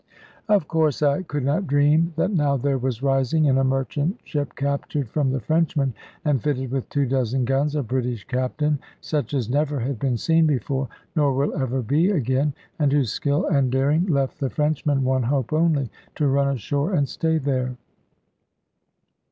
Of course I could not dream that now there was rising in a merchant ship captured from the Frenchmen, and fitted with two dozen guns, a British Captain such as never had been seen before, nor will ever be again; and whose skill and daring left the Frenchmen one hope only to run ashore, and stay there.